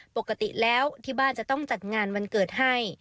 ปกติแล้วที่บ้านจะต้องจัดงานวันเกิดให้